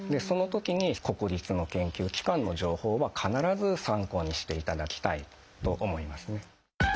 そのときに国立の研究機関の情報は必ず参考にしていただきたいと思いますね。